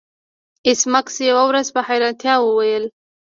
ایس میکس یوه ورځ په حیرانتیا وویل